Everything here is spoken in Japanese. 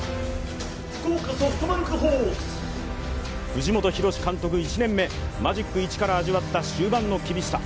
藤本博史監督１年目、マジック１から味わった終盤の厳しさ。